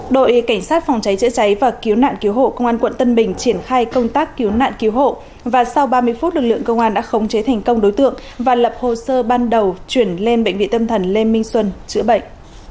đội cảnh sát phòng cháy chữa cháy và cứu nạn cứu hộ công an quận tân bình triển khai công tác cứu nạn cứu hộ và sau ba mươi phút lực lượng công an đã khống chế thành công đối tượng và lập hồ sơ ban đầu chuyển lên bệnh viện tâm thần lê minh xuân chữa bệnh